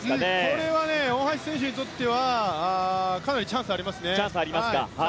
これは大橋選手にとってはかなりチャンスがありますね。